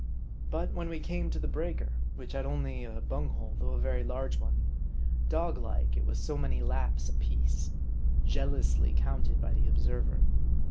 But when we came to the breaker, which had only a bung hole, though a very large 'one, dog like, it was so many laps apiece ; jealously counted by the observer.